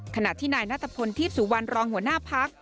ขณะที่นายนัทพลทีพสุวรรณรองหัวหน้าพัก